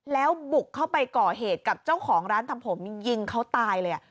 แล้วบุกเข้าไปก่อเหตุกับเจ้าของร้านทำผมยิงเขาตายเลย